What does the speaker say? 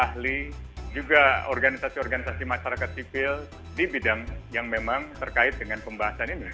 ahli juga organisasi organisasi masyarakat sipil di bidang yang memang terkait dengan pembahasan ini